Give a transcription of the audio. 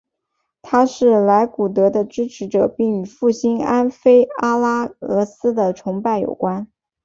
他是莱库古的支持者并与复兴安菲阿拉俄斯的崇拜有关。